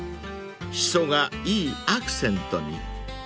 ［シソがいいアクセントに］